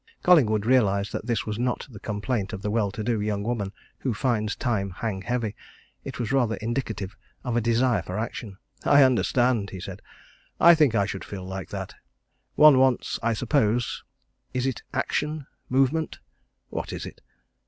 Collingwood realized that this was not the complaint of the well to do young woman who finds time hang heavy it was rather indicative of a desire for action. "I understand!" he said. "I think I should feel like that. One wants I suppose is it action, movement, what is it?"